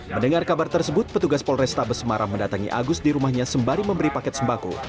mendengar kabar tersebut petugas polrestabes semarang mendatangi agus di rumahnya sembari memberi paket sembako